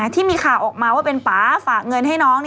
ที่มีข่าวออกมาว่าเป็นป่าฝากเงินให้น้อง